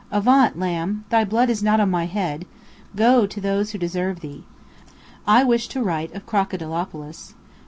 Avaunt, lamb! Thy blood is not on my head. Go to those who deserve thee. I wish to write of Crocodilopolis.